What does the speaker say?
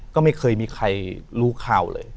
ก็ไม่เคยมีใครรู้ข่าวเลย